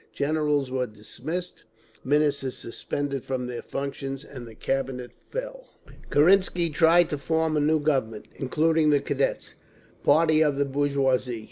Generals were dismissed, Ministers suspended from their functions, and the Cabinet fell. Kerensky tried to form a new Government, including the Cadets, party of the bourgeoisie.